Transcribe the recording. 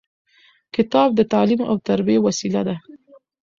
کتاب د تعلیم او تربیې وسیله ده.